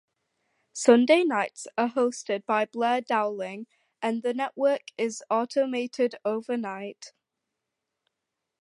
Sunday nights are hosted by Blair Dowling, and the network is automated overnight.